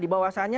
di bawah asalnya